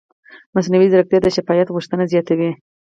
مصنوعي ځیرکتیا د شفافیت غوښتنه زیاتوي.